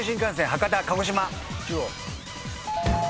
博多・鹿児島中央。